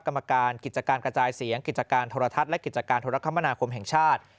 กรรมการกิจการกระจายเสียงกิจการโทรทัศน์และกิจการโทรคมนาคมแห่งชาติ